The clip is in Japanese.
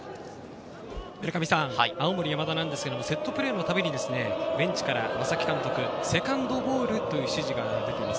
青森山田ですが、セットプレーのたびにベンチから正木監督、セカンドボールという指示が出ています。